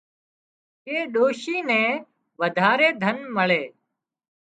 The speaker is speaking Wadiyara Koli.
ڪي ڏوشي نين وڌاري ڌن مۯي